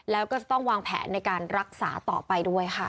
แล้วก็จะต้องวางแผนในการรักษาต่อไปด้วยค่ะ